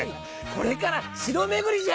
これから城巡りじゃ！